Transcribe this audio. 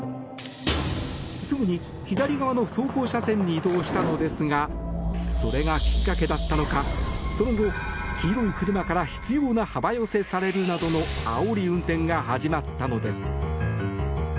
すぐに左側の走行車線に移動したのですがそれがきっかけだったのかその後、黄色い車から執拗な幅寄せされるなどのあおり運転が始まったのです。